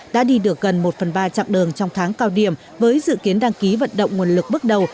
đã đi được gần một phần ba chặng đường trong tháng cao điểm với dự kiến đăng ký vận động nguồn lực bước đầu